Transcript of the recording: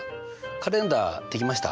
カレンダー出来ました？